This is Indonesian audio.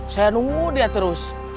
saya nunggu dia terus